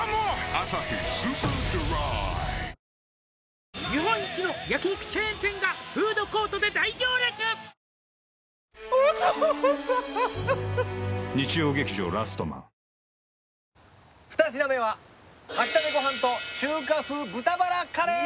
「アサヒスーパードライ」二品目は炊き立てご飯と中華風豚バラカレー！